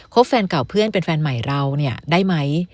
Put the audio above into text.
แฟนเก่าเพื่อนเป็นแฟนใหม่เราเนี่ยได้ไหม